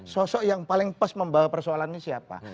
sosok yang paling pas membawa persoalan ini siapa